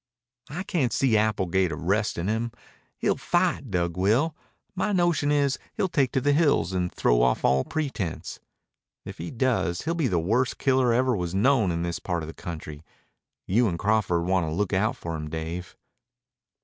"I can't see Applegate arrestin' him. He'll fight, Dug will. My notion is he'll take to the hills and throw off all pretense. If he does he'll be the worst killer ever was known in this part of the country. You an' Crawford want to look out for him, Dave."